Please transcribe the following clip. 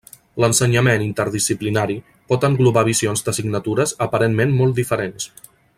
L’ensenyament interdisciplinari pot englobar visions d’assignatures aparentment molt diferents.